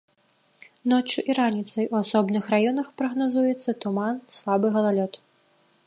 Ноччу і раніцай у асобных раёнах прагназуецца туман, слабы галалёд.